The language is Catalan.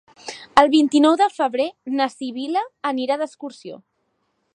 El vint-i-nou de febrer na Sibil·la anirà d'excursió.